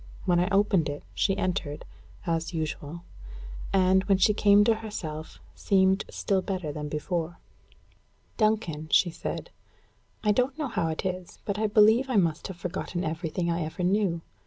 When I opened it, she entered, as usual; and, when she came to herself, seemed still better than before. "Duncan," she said, "I don't know how it is, but I believe I must have forgotten everything I ever knew.